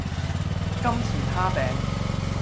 金錢蝦餅